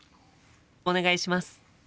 お願いします。